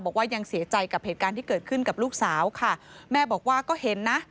บอกว่ายังเสียใจกับเหตุการณ์ที่เกิดขึ้นกับลูกสาวค่ะแม่บอกว่าก็เห็นนะ